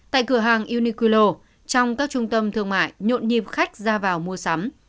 tại cửa hàng uniqulo trong các trung tâm thương mại nhộn nhịp khách ra vào mua sắm